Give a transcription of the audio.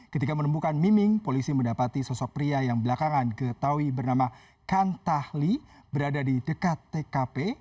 ketika menemukan miming polisi mendapati sosok pria yang belakangan ketahui bernama kan tahli berada di dekat tkp